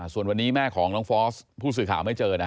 ส่วนวันนี้แม่ของน้องฟอสผู้สื่อข่าวไม่เจอนะ